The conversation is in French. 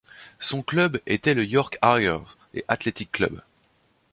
Son club était le York Harriers & Athletic Club.